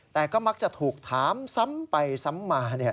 แต่ก็มักจะถูกถามซ้ำไปซ้ำมา